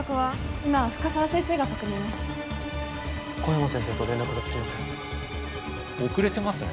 今深沢先生が確認を小山先生と連絡がつきません遅れてますね